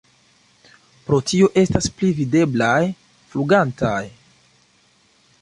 Pro tio estas pli videblaj flugantaj.